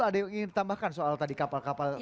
ada yang ingin ditambahkan soal tadi kapal kapal